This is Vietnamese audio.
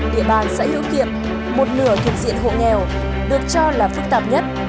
địa bàn sẽ hiểu kiệm một nửa thuyền diện hộ nghèo được cho là phức tạp nhất